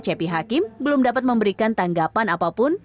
cepi hakim belum dapat memberikan tanggapan apapun